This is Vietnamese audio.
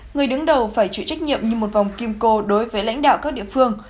người đứng đầu phải chịu trách nhiệm như một vòng kim cô đối với lãnh đạo các địa phương